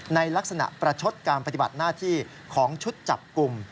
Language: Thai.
ในลักษณะประชดการปฏิบัติหน้าที่ของชุดจับกลุ่ม